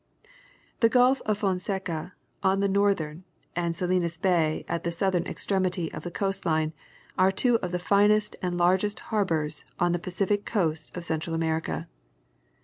The Gulf of Fonseca, at the northern, and Salinas Bay at the southern extremity of the coast line are two of the finest and largest harbors on the Pacific coast of Central America.